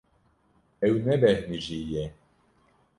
Ew nebêhnijî ye.